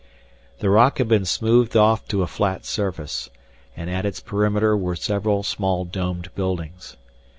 The rock had been smoothed off to a flat surface, and at its perimeter were several small domed buildings.